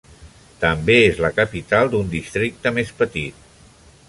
També és la capital d'un districte més petit.